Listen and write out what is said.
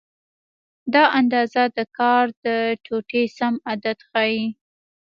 دا اندازه د کار د ټوټې سم عدد ښیي.